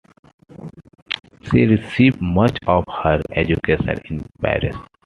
She received much of her education in Paris.